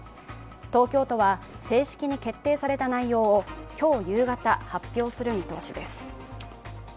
東京都は、正式に決定された内容を今日夕方発表する見通しです。